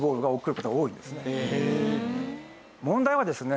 問題はですね